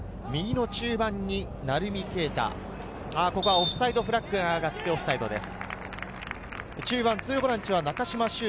オフサイドフラッグが上がってオフサイドです。